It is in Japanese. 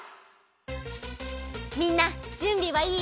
みんなじゅんびはいい？